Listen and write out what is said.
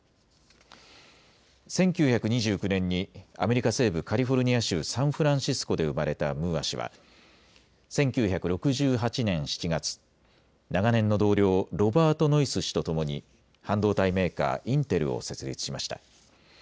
１９２９年にアメリカ西部カリフォルニア州サンフランシスコで生まれたムーア氏は１９６８年７月、長年の同僚、ロバート・ノイス氏とともに半導体メーカー、インテルを設立しました。